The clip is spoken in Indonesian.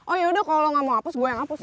oh ya udah kalo lo gak mau apus gue yang apus